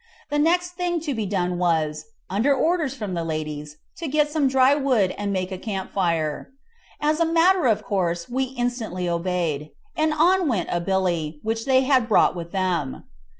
The next thing to be done was, under orders from the ladies, to get some dry wood and make a camp fire. As a matter of course we instantly obeyed, and on went a billy, which they had brought with them.